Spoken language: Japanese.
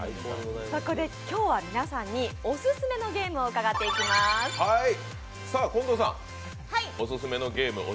そこで今日は皆さんに、おすすめのゲームを伺っていきます。